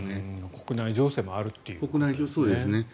国内情勢もあるということですね。